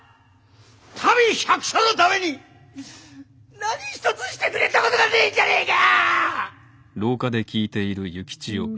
民百姓のために何一つしてくれたことがねえじゃねえか！